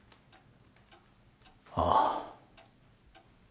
ああ。